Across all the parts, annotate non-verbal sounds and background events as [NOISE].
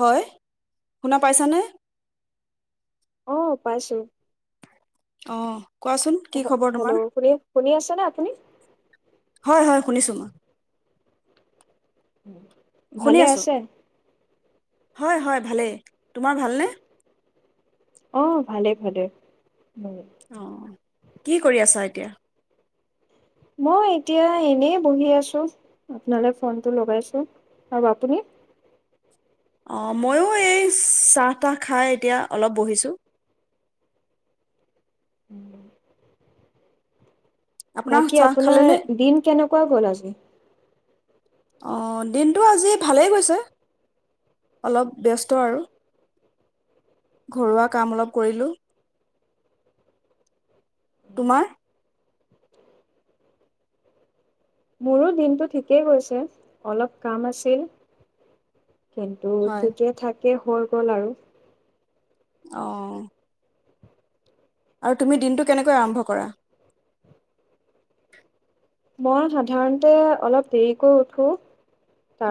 হয়, শুনা পাইছানে? অ' পাইছোঁ। অহ কোৱাচোন কি খবৰ তোমাৰ? শুনি শুনি আছেনে আপুনি? হয় হয়, শুনিছোঁ মই। শুনি ভালে আছো আছে? হয় হয়, ভালেই, তোমাৰ ভালনে? অ', ভালেই ভালেই। অ'। কি কৰি আছা এতিয়া? মই এতিয়া এনেই বহি আছোঁ, আপোনালৈ ফোনটো লগাইছোঁ আৰু আপুনি? অ, ' ময়ো এই চাহ তাহ খাই এতিয়া অলপ বহিছোঁ। [INAUDIBLE] আপোনাৰ বাকী চাহ আপোনাৰ খালেনে দিন কেনেকুৱা গ'ল আজি? অ', দিনটো আজি ভালেই গৈছে, অলপ ব্যস্ত আৰু ঘৰুৱা কাম অলপ কৰিলোঁ, তোমাৰ? মোৰো দিনটো ঠিকেই গৈছে, অলপ কাম আছিল। কিন্তু হয় ঠিকেই থাক এ হৈ গ'ল আৰু। অ'। আৰু তুমি দিনটো কেনেকৈ আৰম্ভ কৰা? মই সাধাৰণতে অলপ দেৰিকৈ উঠো।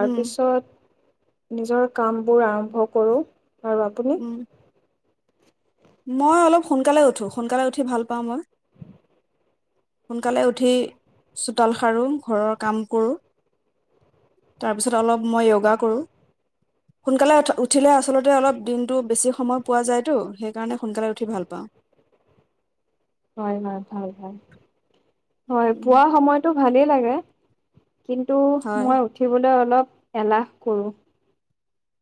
উম নিজৰ কামবোৰ আৰম্ভ কৰোঁ। আৰু আপুনি? উম মই অলপ সোনকালে উঠো। সোনকালে উঠি ভাল পাওঁ মই, সোনকালে উঠি চোতাল সাৰো, ঘৰৰ কাম কৰো, তাৰপিছত অলপ মই য়োগা কৰোঁ। সোনকালে উঠ উঠিলে আচলতে অলপ দিনতটো বেছি সময় পোৱা যায়তো, সেই সেই কাৰণে সোনকালে উঠি ভাল পাওঁ। হয়, হয়, ভাল হয়। হয় উম, পুৱা সময়তো ভালেই লাগে। কিন্তু, হয় মই উঠিবলৈ অলপ এলাহ কৰোঁ।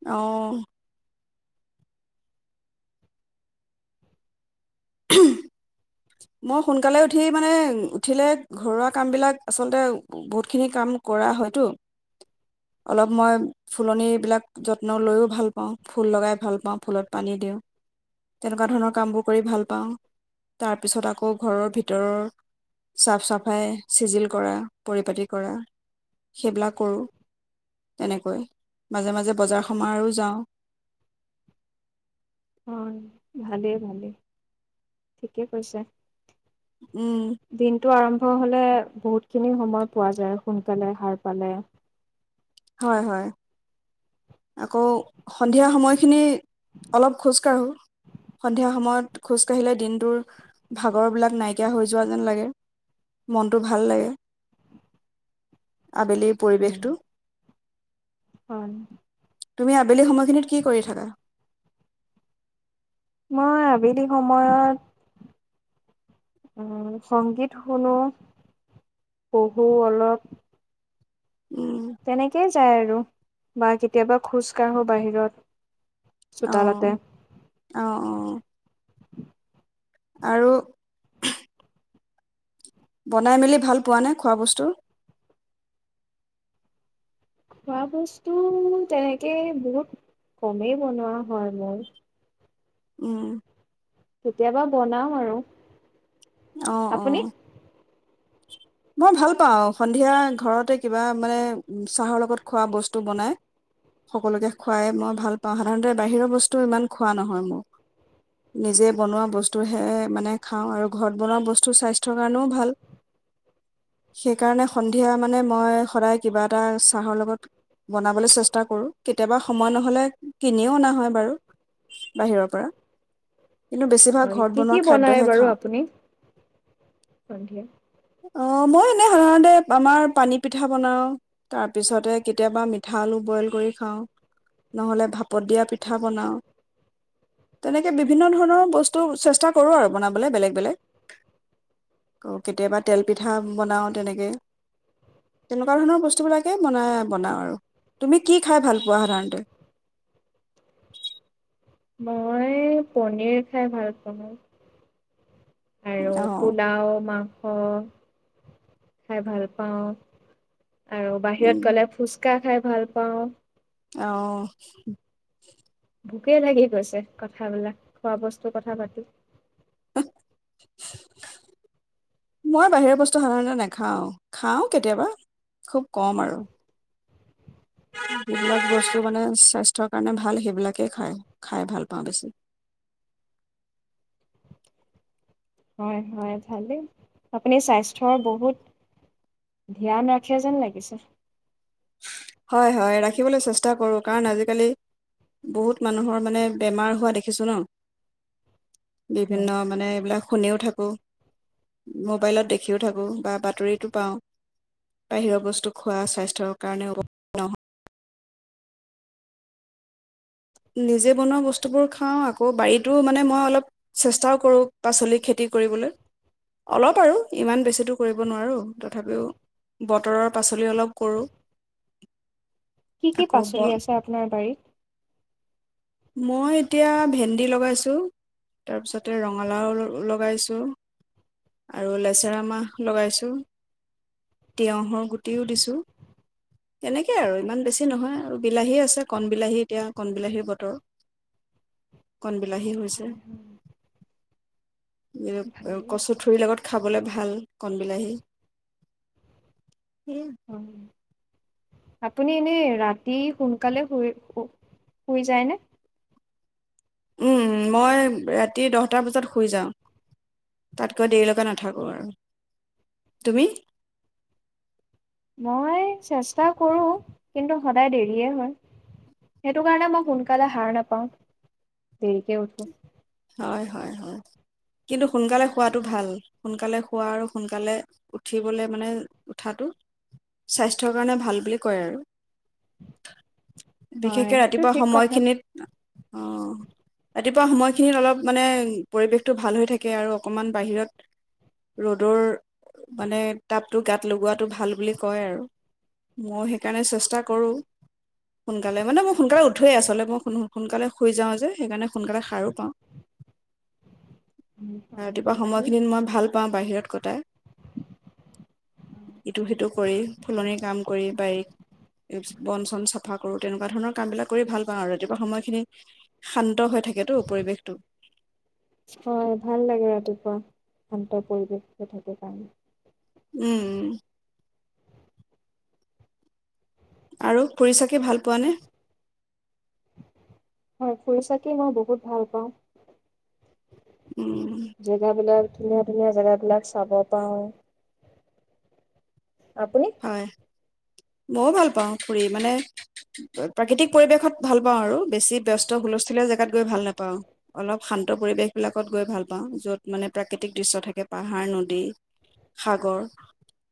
অ'। [INAUDIBLE] মই সোনকালে উঠি মানে, উঠিলে ঘৰুৱা কামবিলাক আচলতে বহুতখিনি কাম কৰা হয়তো। অলপ মই ফুলনিবিলাক যত্ন লৈও ভাল পাওঁ, ফুল লগাই ভাল পাওঁ, ফুলত পানী দিওঁ। তেনেকুৱা ধৰণৰ কামবোৰ কৰি ভাল পাওঁ। তাৰ পিছত আকৌ ঘৰৰ ভিতৰৰ চাফ চাফাই, চিজিল কৰা, পৰিপতি কৰা, সেইবিলাক কৰোঁ। তেনেকৈ মাজে মাজে বজাৰ সমাৰো যাওঁ। অ', ভালেই ভালেই, ঠিকে কৈছা। উম দিনটো আৰম্ভ হ'লে বহুতখিনি সময় পোৱা যায়, সোনকালে সাৰ পালে। হয়, হয়। আকৌ সন্ধিয়া সময়খিনি অলপ খোজ কাঢ়ো। সন্ধিয়া সময়ত খোজ কাঢ়িলে দিনটোৰ ভাগৰবিলাক নাইকিয়া হৈ যোৱা যেন লাগে, মনটো ভাল লাগে। আবেলিৰ হয় পৰিৱেশটো হয়। তুমি আবেলি সময়খিনিত কি কৰি থাকা? মই আবেলি সময়ত উম, সংগীত শুনোঁ, পঢ়ো অলপ উম তেনেকেই যায় আৰু। বা কেতিয়াবা খোজ কাঢ়োঁ বাহিৰত। চোতালতে অ', অ', অ'। আৰু বনাই মেলি ভাল পোৱানে, খোৱা বস্তু? খোৱা বস্তু তেনেকে বহুত কমেই বনোৱা হয়, মোৰ। উম। কেতিয়াবা বনাওঁ আৰু। অ', অ'। আপুনি মই ভাল পাওঁ, সন্ধিয়া ঘৰতে কিবা মানে চাহৰ লগত খোৱা বস্তু বনাই, সকলোকে খুৱাই মই ভাল পাওঁ, সাধাৰণতে বাহিৰৰ বস্তু ইমান খোৱা নহয় মোৰ। নিজে বনোৱা বস্তুহে মানে খাওঁ আৰু ঘৰত বনোৱা বস্তু স্বাস্থ্যৰ কাৰণেও ভাল। সেইকাৰণে সন্ধিয়া মানে মই সদায় কিবা এটা চাহৰ লগত বনাবলৈ চেষ্টা কৰোঁ। কেতিয়াবা সময় নহ'লে কিনিও অনা হয়, বাৰু বাহিৰৰ পৰা। কিন্তু বেছিভাগ হয়, ঘৰত কি, বনোৱা কি বনাই খাদ্যহে বাৰু খাওঁ আপুনি সন্ধিয়া? অ', মই এনেই সাধাৰণতে আমাৰ পানী পিঠা বনাওঁ, তাৰপিছতে কেতিয়াবা মিঠা আলু বইল কৰি খাওঁ, নহ'লে ভাপত দিয়া পিঠা বনাওঁ। তেনেকে বিভিন্ন ধৰণৰ বস্তু চেষ্টা কৰোঁ আৰু বনাবলৈ বেলেগ, বেলেগ। কেতিয়াবা তেল পিঠা বনাওঁ তেনেকে। তেনেকুৱা ধৰণৰ বস্তুবিলাকেই বনাই, বনাওঁ আৰু তুমি কি খাই ভাল পোৱা সাধাৰণতে? মই পনীৰ খাই ভাল পাওঁ। আৰু অ পোলাও, মাং স, খাই ভাল পাওঁ। আৰু উম, বাহিৰত গ'লে ফুচ ফুচকা খাই ভাল পাওঁ। অ' ভোকেই লাগি গৈছে। কথাবিলাক খোৱা বস্তুৰ কথা পাতি। মই বাহিৰৰ বস্তু সাধাৰণতে নাখাওঁ। খাওঁ কেতিয়াবা, খুব কম আৰু যিবিলাক বস্তু মানে স্বাস্থ্যৰ কাৰণে ভাল সেইবিলাকেই খায়-খাই ভাল পাওঁ বেছি। হয়-হয়, ভালেই। আপুনি স্বাস্থ্যৰ বহুত ধ্যান ৰাখে যেন লাগিছে। হয়-হয়। ৰাখিবলৈ চেষ্টা কৰো কাৰণ, কাৰণ আজিকালি বহুত মানুহৰ মানে বেমাৰ হোৱা দেখিছোঁ, ন? হয়। বিভিন্ন মানে এইবিলাক শুনিও থাকোঁ, মোবাইলত দেখিও থাকোঁ বা বাতৰিতো পাওঁ। বাহিৰৰ বস্তু খোৱা স্বাস্থ্যৰ কাৰণেও নহ নিজে বনোৱা বস্তুবোৰ খাওঁ। আকৌ বাৰীতো মানে মই অলপ চেষ্টাও কৰোঁ, পাচলি খেতি কৰিবলৈ। অলপ আৰু ইমান বেছিটো কৰিব নোৱাৰোঁ, তথাপিও বতৰৰ পাচলি অলপ, কৰোঁ। কি কি আকৌ ব পাচলি আছে আপোনাৰ বাৰীত? মই এতিয়া ভেন্দি লগাইছোঁ। তাৰপিছতে ৰঙালাও ল-লগাইছোঁ আৰু লেচেৰামাহ লগাইছোঁ, তিয়হৰ গুটিও দিছোঁ। তেনেকেই আৰু ইমান বেছি নহয় আৰু বিলাহী আছে। কণ বিলাহী এতিয়া কণবলাহীৰ বতৰ, কণবিলাহী হৈছে। হয় হয় য়-য় ভালেই। কচু ঠুৰি লগত খাবলে ভাল, কণবলাহী। হয় নি? আপুনি এনেই ৰাতি সোনকালে শুই সু-শুই যায়নে? উম, মই ৰাতি দহটা বজাত শুই যাওঁ। তাতকৈ দেৰি লৈকে নাথাকো আৰু তুমি? মই চেষ্টা কৰো, কিন্তু সদায় দেৰিয়ে হয়। সেইটো কাৰণে মই সোনকালে হাৰ নাপাওঁ, দেৰিকে উঠো। হয়-হয়। কিন্তু সোনকালে শুৱাটো ভাল। সোনকালে শুৱা আৰু সোনকালে উঠিবলে মানে, উঠাটো স্বাস্থ্যৰ কাৰণে ভাল বুলি কয় আৰু বিশেষকে হয় সেইটো ৰাতিপুৱা ঠিক কথা সময়খিনিত। আ-অ' ৰাতিপুৱা সময় সেই অলপ মানে পৰিৱেশটো ভাল হৈ থাকে আৰু অকণমান বাহিৰত ৰ'দৰ মানে তাপটো গাত লগোৱাটো ভাল বুলি কয় আৰু মই সেইকাৰণে চেষ্টা কৰো সোনকালে, মানে মই সোনকালে উঠোৱে আচলে মই-মই সোন সোনকালে শুই যাওঁ যে সেইকাৰণে সোনকালে সাৰো পাওঁ। হয়, ৰাতিপুৱা ভালেই সময়খিনিত মই ভাল পাওঁ বাহিৰত। কটাই ইটো সিটো কৰি ফুলনিৰ কাম কৰি বাৰীক বন চন চাফা কৰোঁতে এনেকুৱা ধৰণৰ কামবিিলাক কৰি ভাল পাওঁ আৰু ৰাতিপুৱা সময়খিনিত শান্ত হৈ থাকেতটো পৰিৱেশ [INAUDIBLE] হয় ভাল লাগে ৰাতিপুৱা, শান্ত পৰিৱেশ থাকে কাৰণে। উম। আৰু ফুৰি-চাকি ভাল পোৱাানে? হয় ফুৰি-চাকি মই বহুত ভাল পাওঁ। উম জেগা বিলাক ধুনীয়া, ধুনীয়া জেগা বিলাক চাব পাওঁ। আপুনি মইও ভাল পাওঁ ফুৰি মানে। প্ৰাকৃতিক পৰিৱেশত ভাল পাওঁ আৰু বেছি ব্যস্ত হুলস্থুলীয়া জোগাত গৈ ভাল নাপাওঁ। অলপ শান্ত পৰিৱেশ বিলাকত গৈ ভাল পাওঁ,। য'ত মানে প্ৰাকৃতিক দৃশ্য থাকে পাহাৰ, নদী, সাগৰ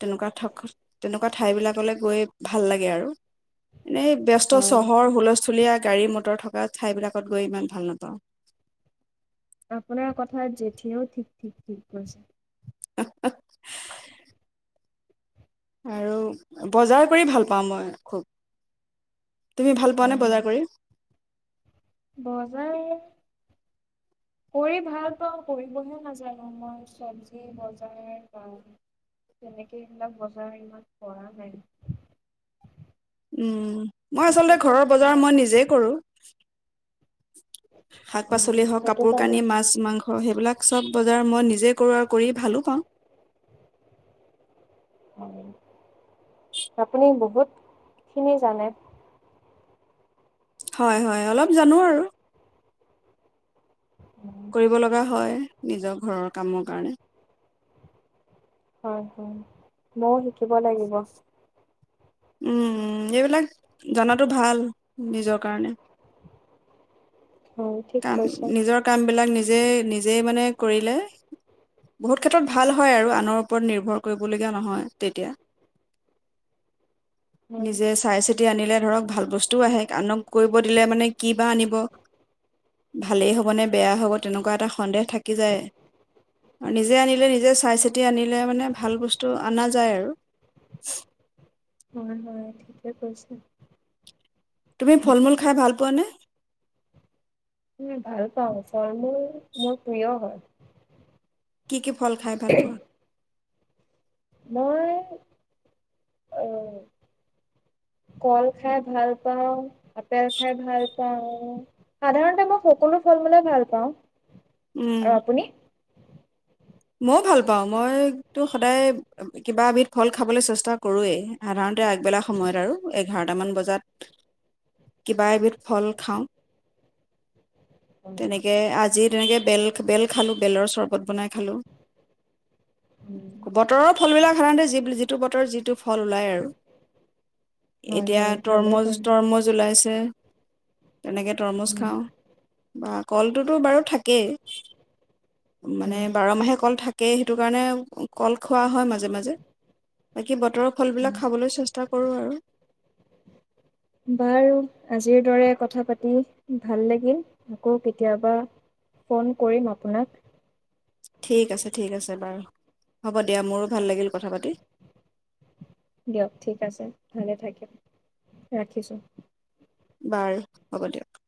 তেনেকুৱা থকা তেনেকুৱা ঠাই বিলাকলৈ গৈ ভাল লাগে আৰু। এনেই ব্যস্ত হয় চহৰ হুলস্থুলীয়া গাড়ী মটৰ থকা ঠাইবিলাকত গৈ ইমান ভাল নাপাওঁ। আপোনাৰ কথাত জেঠীয়েও ঠিক, ঠিক, ঠিক কৈছে। আৰু বজাৰ কৰি ভাল পাওঁ মই খুব। তুমি ভাল পোৱানে বজাৰ কৰি? বজাৰ কৰি ভাল পাওঁ কৰিবহে নাজানো। মই চব্জি বজাৰ বা তেনেকে এইবিলাক বজাৰ ইমান কৰা নাই। উম মই আচলতে শিকিব ঘৰৰ লাগিব। বজাৰ মই নিজেই কৰোঁ। শাক-পাচলি হওঁক সেইটো কাপোৰ কাৰণে কানি মাছ মাংস সেইবিলাক। চব বজাৰ মই নিজে কৰো আৰু কৰি ভালো পাওঁ। আপুনি বহুতখিনি জানে। হয়, হয় অলপ জানো আৰু। কৰিব লগা হয় নিজৰ ঘৰৰ কামৰ কাৰণে। হয়, হয় ময়ো শিকিব লাগিব। উম এইবিলাক জনাতো ভাল নিজৰ কাৰণে। হয় ঠিক কাম কৈছে। নিজৰ কাম বিলাক নিজ যে নিজে মানে কৰিলে বহুত ক্ষেত্ৰত ভাল হয় আৰু আনৰ ওপৰত নিৰ্ভৰ কৰিবলগীয়া নহয় তেতিয়া। হয় নিজে চাই চিতি আনিলে ধৰক ভাল বস্তুও আহে, আনক কৰিব [UNINTELLIGIBLE] মানে কি বা আনিব? ভালেই হ'ব নে বেয়া হ'ব তেনেকুৱা এটা সন্দেহ থাকি যায় নিজে আনিলে নিজে চাই চিতি আনিলে মানে ভাল বস্তু অনা যায় আৰু। [INAUDIBLE] হয়, হয় ঠিকে কৈছে। তুমি ফল-মূল খাই ভাল পোৱা নে? উম, ভাল পাওঁ ফল মূল মোৰ প্ৰিয় হয়। কি কি ফল খাই ভাল পোৱা? মই অ' কল খাই ভাল পাওঁ, আপেল খাই ভাল পাওঁ। সাধাৰণতে মই সকলো ফল মূলে ভাল পাওঁ। উম আৰু আপুনি? ময়ো ভাল পাওঁ মইতো সদায় কিবা এবিধ ফল খাবলৈ চেষ্টা কৰোৱেই সাধাৰণ আগবেলা সময়ত আৰু এঘাৰ বটামান বজাত, কিবা এবিধ ফল খাওঁ। তেনেকে আজি তেনেকৈ বেল-বেল খালোঁ। বেলৰ চৰ্বত বনাই খালোঁ। বতৰৰ ফল বিলাক সাধাৰতে যিব যিব টো বতৰ যিটো ফল ওলায় আৰু। হয় এতিয়া হয় ভালে তৰমুজ, কৰে তৰমুজ ওলাইছে। তেনেকে তৰমুজ হয়। খাওঁ, বা কলটোতো বাৰু থাকেই। মানে হয়। বাৰ মাহে থাকেই সেইটো কাৰণে কল খোৱা হয় মাজে মাজে বাকী বাকী বতৰৰ ফলবিলাক খাবলৈ চেষ্টা কৰোঁ আৰু। বাৰু আজিৰ দৰে কথা পাতি ভাল লাগিল আকৌ কেতিয়াবা ফোন কৰিম আপোনাক। ঠিক আছে, ঠিক আছে, বাৰু হ'ব দিয়া মোৰো ভাল লাগিল কথা পাতি। দিয়ক ঠিক আছে, ভালে থাকিম, ৰাখিছোঁ। বাৰু হ'ব দিয়ক।